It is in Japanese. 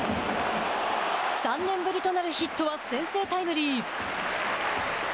３年ぶりとなるヒットは先制タイムリー。